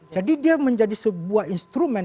jadi dia menjadi sebuah instrumen